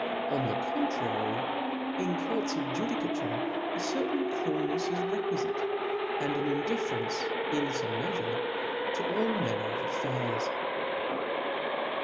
On the contrary, in courts of ju dicature a certain coolnefs is requifite, and an indif ferencet in fome meafure, to all manner of affiiirs.